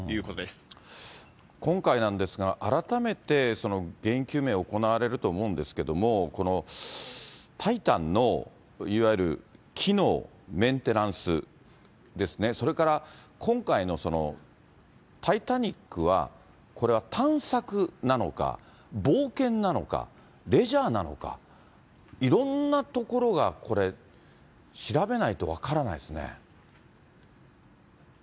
今回なんですが、改めて原因究明が行われると思うんですけれども、タイタンのいわゆる機能、メンテナンスですね、それから今回のタイタニックは、これは探索なのか、冒険なのか、レジャーなのか、いろんなところがこれ、調べないと分からないですね。